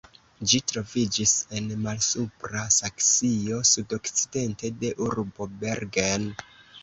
Ĝi troviĝis en Malsupra Saksio sudokcidente de urbo Bergen.